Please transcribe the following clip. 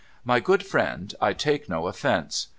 My good friend, I take no offence.